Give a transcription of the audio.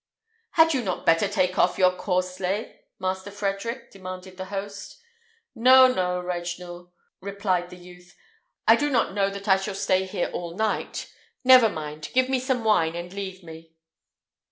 "Had you not better take off your corslet, Master Frederick?" demanded the host. "No, no, Regnault," replied the youth; "I do not know that I shall stay here all night. Never mind! give me some wine, and leave me."